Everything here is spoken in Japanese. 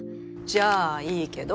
じゃあいいけど。